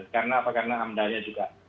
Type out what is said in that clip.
karena apa karena amdanya juga